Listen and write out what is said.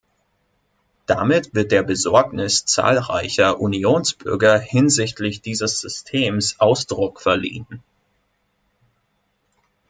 Damit wird der Besorgnis zahlreicher Unionsbürger hinsichtlich dieses Systems Ausdruck verliehen.